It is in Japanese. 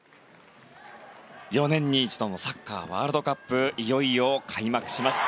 ４年に一度のサッカーワールドカップいよいよ開幕します。